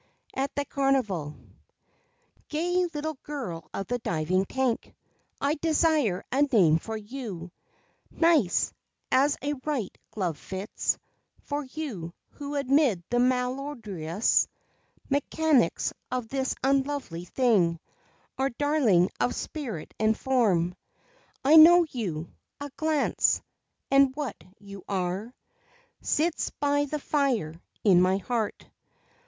AT THE CARNIVAL Gay little Girl of the Diving Tank, I desire a name for you, Nice, as a right glove fits; For you who amid the malodorous Mechanics of this unlovely thing, Are darling of spirit and form. I know you a glance, and what you are Sits by the fire in my heart.